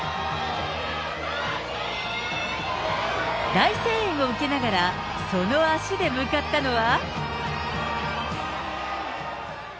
大声援を受けながら、その足で向かったのは。